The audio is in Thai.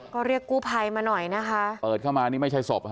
ก็เรียกกู้ภัยมาหน่อยนะคะเปิดเข้ามานี่ไม่ใช่ศพค่ะ